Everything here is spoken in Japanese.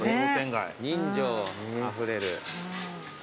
人情あふれる。